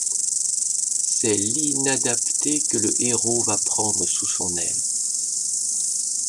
C’est l’inadapté que le héros va prendre sous son aile.